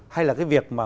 hay là cái việc mà